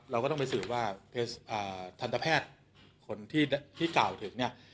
เราก็ต้องไปสื่อว่าอ่าทันตแพทย์คนที่ที่เก่าถึงเนี้ย